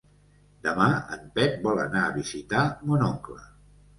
Demà en Pep vol anar a visitar mon oncle.